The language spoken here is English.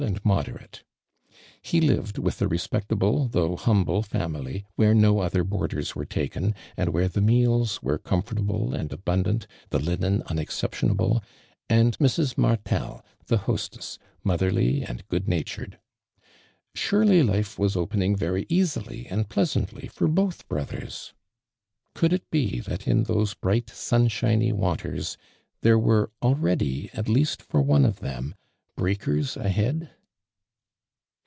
and moderate, lie lived with a respectabh though humble family where no othei boarders were taken, and where the mealn were comforta})le and abundant, the linen unexceptionable, and Mrs. Martel. the hostess, motlierlyand good natured. Surely life was opening very easily and pleasantly for both brothers ! Coulil it be that in those bright sunshiny waters there were alieady, at least for one of them, "breakers ahead?"